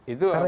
itu apa tuh